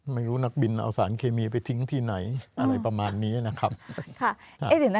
ไม่รู้นักบินเอาสารเคมีไปทิ้งที่ไหนอะไรประมาณนี้นะครับ